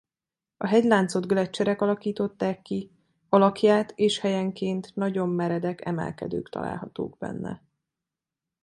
A hegyláncot gleccserek alakították ki alakját és helyenként nagyon meredek emelkedők találhatók benne.